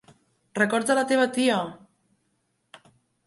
Records a la teva tia!